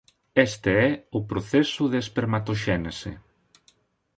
Este é o proceso de espermatoxénese.